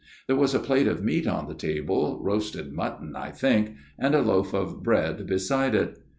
There was a plate of meat on the table, roasted mutton, I think, and a loaf of bread beside it.